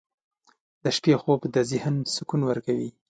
• د شپې خوب د ذهن سکون ورکوي.